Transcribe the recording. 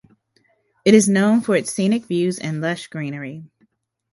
It is known for its scenic views and lush greenery.